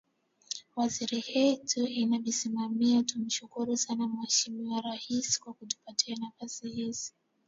Wizara yetu inavisimamia tumshukuru sana Mheshimiwa Rais kwa kutupatia nafasi hizi